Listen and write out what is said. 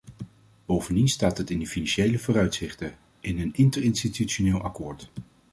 Bovendien staat het in de financiële vooruitzichten, in een interinstitutioneel akkoord.